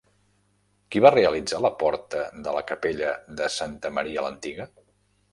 Qui va realitzar la porta de la capella de Santa Maria l'Antiga?